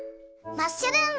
マッシュルーム。